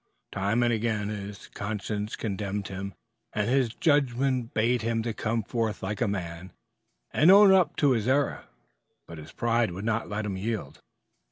Time and again his conscience condemned him and his judgment bade him come forth like a man and own up to his error, but his pride would not let him yield.